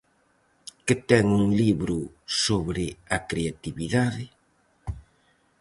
Que ten un libro sobre a creatividade?